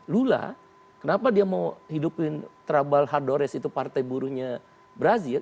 lula kenapa dia mau hidupin trabal hardores itu partai buruhnya brazil